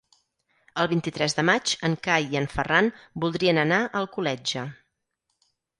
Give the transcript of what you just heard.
El vint-i-tres de maig en Cai i en Ferran voldrien anar a Alcoletge.